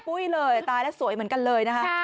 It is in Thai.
เลยตายแล้วสวยเหมือนกันเลยนะคะ